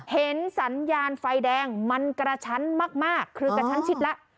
เห็นสัญญาณไฟแดงมันกระชั้นมากคือกระชั้นชิดแล้ว